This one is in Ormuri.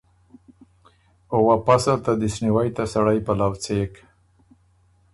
او واپس ال ته دِست نیوئ ته سړئ پلؤ څېک۔